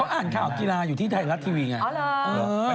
อ่านข่าวกีฬาอยู่ที่ไทยรัฐทีวีไง